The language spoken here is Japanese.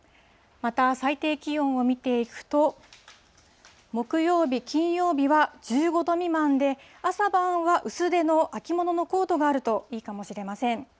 また、最低気温を見ていくと、木曜日、金曜日は１５度未満で、朝晩は薄手の秋物のコートがあるといいかもしれません。